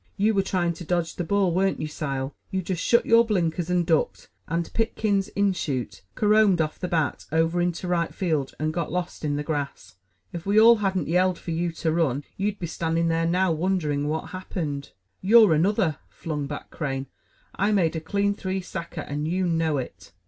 You were trying to dodge the ball, weren't you, Sile? You just shut your blinkers and ducked, and Pitkins' inshoot carromed off the bat over into right field and got lost in the grass. If we all hadn't yelled for you to run, you'd be standing there now, wondering what had happened." "Yeou're another," flung back Crane. "I made a clean three sacker, and yeou know it."